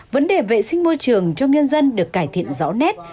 vấn đề vệ sinh môi trường trong nhân dân được cải thiện rõ nét